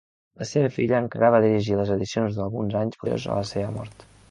La seva filla encara va dirigir les edicions d'alguns anys posteriors a la seva mort.